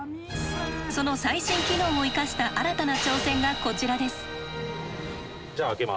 その最新機能を生かした新たな挑戦がこちらです。